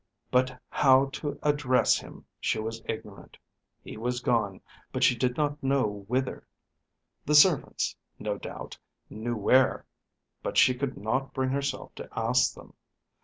But how to address him she was ignorant. He was gone, but she did not know whither. The servants, no doubt, knew where, but she could not bring herself to ask them.